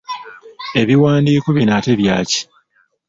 Ebiwandiiko bino, ate ebyaki?